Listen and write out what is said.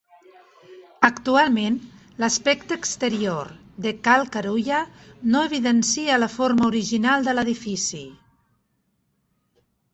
Actualment, l'aspecte exterior de Cal Carulla no evidencia la forma original de l'edifici.